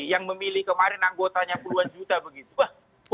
yang memilih kemarin anggotanya puluhan juta begitu